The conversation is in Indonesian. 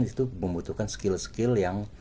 di situ membutuhkan skill skill yang